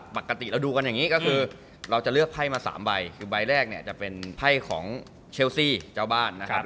แบบนั้นดูกันอย่ะ